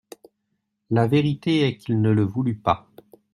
La vérité est qu'il ne le voulut pas.